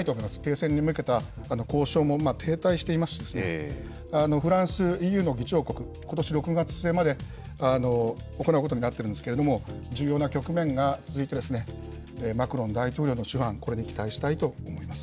停戦に向けた交渉も停滞していまして、フランス、ＥＵの議長国、ことし６月末まで行うことになったんですけれども、重要な局面が続いてですね、マクロン大統領の手腕、これに期待したいと思います。